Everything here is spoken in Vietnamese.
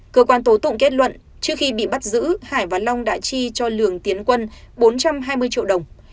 cơ quan tố tụng kết luận trước khi bị bắt giữ hải và long đã chi cho lường tiến quân bốn trăm hai mươi triệu đồng